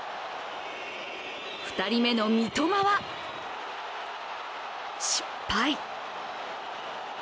２人目の三笘は、失敗。